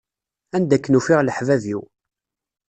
Anda akken ufiɣ leḥbab-iw.